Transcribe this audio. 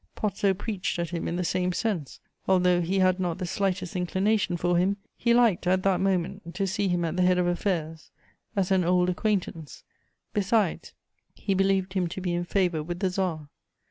Pozzo preached at him in the same sense: although he had not the slightest inclination for him, he liked, at that moment, to see him at the head of affairs, as an old acquaintance; besides, he believed him to be in favour with the Tsar.